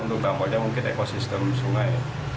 untuk dampaknya mungkin ekosistem sungai